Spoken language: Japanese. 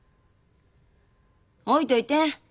置いといて。